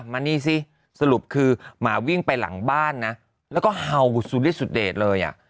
มานี่สิสรุปคือหมาวิ่งไปหลังบ้านนะแล้วก็เห่าสุดเดชเลยอ่ะ